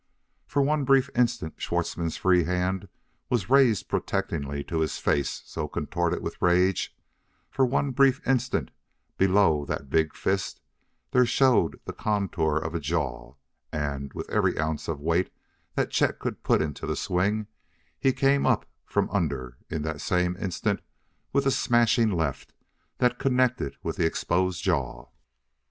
For one brief instant Schwartzmann's free hand was raised protectingly to his face so contorted with rage; for one brief instant, below that big fist, there showed the contour of a jaw; and, with every ounce of weight that Chet could put into the swing, he came up from under in that same instant with a smashing left that connected with the exposed jaw.